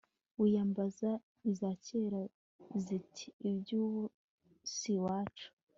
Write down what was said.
wiyambaza iza kera ziti iby'ubu si ibyacu